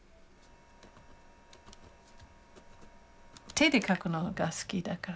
手で書くのが好きだから。